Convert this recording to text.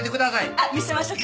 あっ見せましょか？